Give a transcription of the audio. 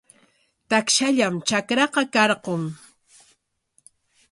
Takshallam trakraqa karqun.